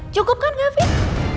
cukup kan kak afif